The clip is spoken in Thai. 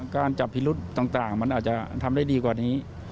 การจับพิรุษต่างมันอาจจะทำได้ดีกว่านี้